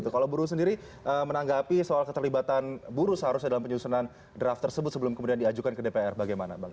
kalau buruh sendiri menanggapi soal keterlibatan buruh seharusnya dalam penyusunan draft tersebut sebelum kemudian diajukan ke dpr bagaimana bang